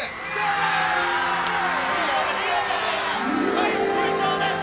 はい優勝です！